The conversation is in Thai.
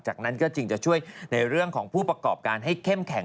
จากนั้นก็จึงจะช่วยในเรื่องของผู้ประกอบการให้เข้มแข็ง